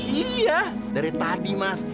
iya dari tadi mas